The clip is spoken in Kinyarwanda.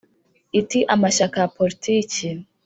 iti Amashyaka ya poritiki